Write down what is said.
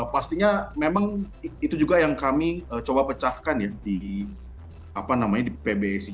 pastinya memang itu juga yang kami coba pecahkan ya di apa namanya di pbsi